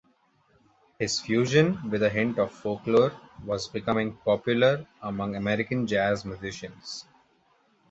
His fusion with a hint of folklore was becoming popular among American jazz musicians.